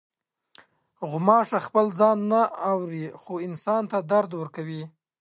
غوماشه خپل ځان نه اوري، خو انسان ته درد ورکوي.